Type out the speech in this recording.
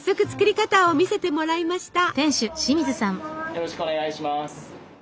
よろしくお願いします。